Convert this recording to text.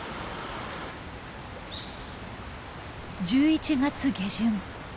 １１月下旬。